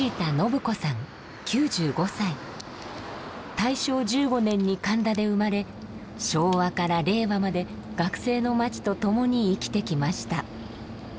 大正１５年に神田で生まれ昭和から令和まで学生の街と共に生きてきました。